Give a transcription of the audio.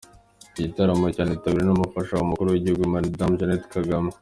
Iki gitaramo cyanitabiriwe n’umufasha w’umukuru w’igihugu Madame Jannet Kagame.